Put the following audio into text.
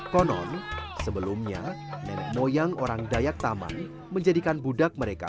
konon sebelumnya nenek moyang orang dayak taman menjadikan budak mereka